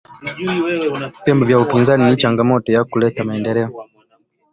vyombo vya upinzani ni changamoto ya kuleta maendeleo